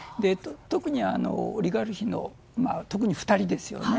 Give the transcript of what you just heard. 特に、オリガルヒの２人ですよね。